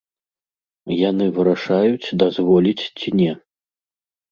Яны вырашаюць, дазволіць ці не.